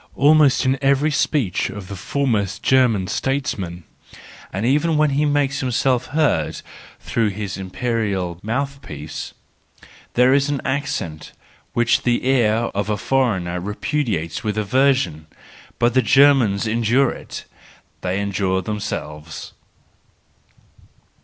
Almost in every speech of the foremost German statesman, and even when he makes himself heard through his imperial mouth piece, there is an accent which the ear of a foreigner repudiates with aversion: but the Germans endure it,—they endure themselves.